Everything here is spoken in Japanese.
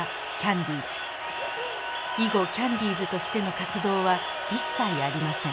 以後キャンディーズとしての活動は一切ありません。